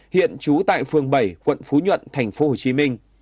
hiện trú tại phường bảy quận phú nhuận tp hcm